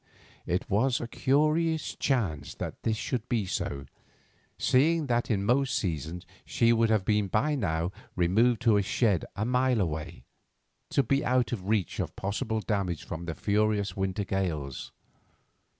It was a curious chance that this should be so, seeing that in most seasons she would have been by now removed to the shed a mile away, to be out of reach of possible damage from the furious winter gales.